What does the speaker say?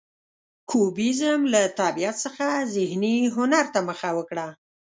کوبیزم له طبیعت څخه ذهني هنر ته مخه وکړه.